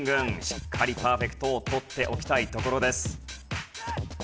しっかりパーフェクトを取っておきたいところです。